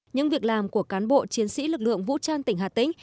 những việc làm của cán bộ chiến sĩ lực lượng vũ trang tỉnh hà tĩnh